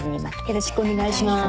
よろしくお願いします。